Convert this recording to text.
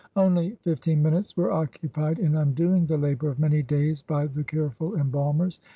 Only fifteen minutes were occupied in undoing the labor of many days by the careful embalmers.